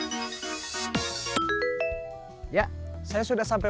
kita belum dapat dompet